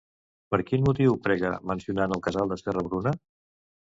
Per quin motiu prega mencionant el casal de Serra- Bruna?